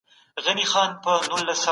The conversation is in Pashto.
هغه څېړونکی چي بصیرت لري اثر ښه تفسیروي.